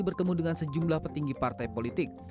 bertemu dengan sejumlah petinggi partai politik